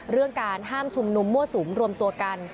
เรื่องการห้ามชุมนุมมั่วสุมรวมตัวกัน